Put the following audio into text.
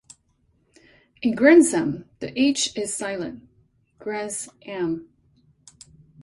In "Gresham", the "h" is silent: "gres'am".